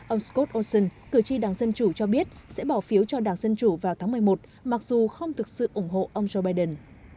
ông scott olson cử tri đảng dân chủ cho biết sẽ bỏ phiếu cho đảng dân chủ vào tháng một mươi một mặc dù không thực sự ủng hộ ông joe biden